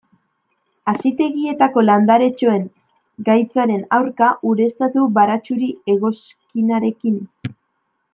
Hazitegietako landaretxoen gaitzaren aurka, ureztatu baratxuri-egoskinarekin.